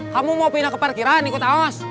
kamu mau pindah ke parkiran ikut awas